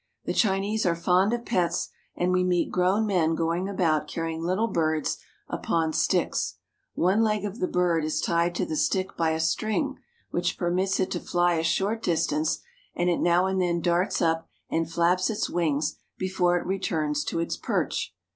The Chinese are fond of pets, and we meet grown men going about carrying little birds upon sticks. One leg of the bird is tied to the stick by a string, which permits it to fly a short distance, and it now and then darts up and flaps its THE GREAT CAPITAL OF CHINA 12/ wings before it returns to its perch.